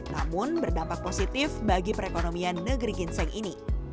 namun berdampak positif bagi perekonomian negeri ginseng ini